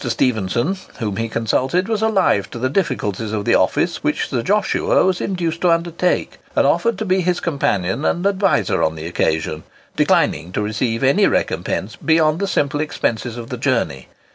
Stephenson, whom he consulted, was alive to the difficulties of the office which Sir Joshua was induced to undertake, and offered to be his companion and adviser on the occasion,—declining to receive any recompense beyond the simple expenses of the journey.